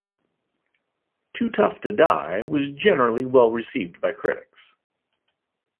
"Too Tough to Die" was generally well received by critics.